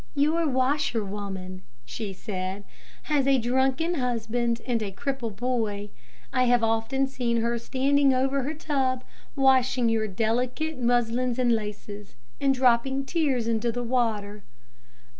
"Your washerwoman," she said, "has a drunken husband and a cripple boy. I have often seen her standing over her tub, washing your delicate muslins and laces, and dropping tears into the water."